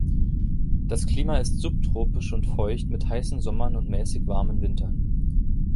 Das Klima ist subtropisch und feucht, mit heißen Sommern und mäßig warmen Wintern.